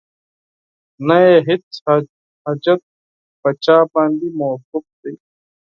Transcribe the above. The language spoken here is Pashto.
نه یې هیڅ حاجت په چا باندې موقوف دی